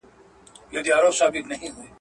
نه یې څه پیوند دی له بورا سره.